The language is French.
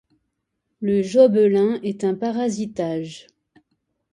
Le jobelin est un parasitage.